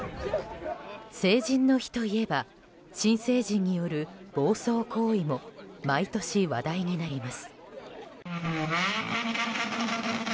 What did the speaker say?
成人の日といえば新成人による暴走行為も毎年話題になります。